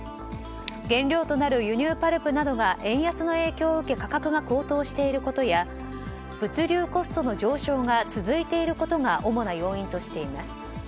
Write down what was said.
原料となる輸入パルプなどが円安の影響を受け価格が高騰していることや物流コストの上昇が続いていることが主な要因としています。